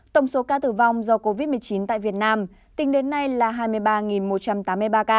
tổng số ca tử vong do covid một mươi chín tại việt nam tính đến nay là hai mươi ba một trăm tám mươi ba ca